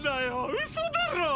ウソだろ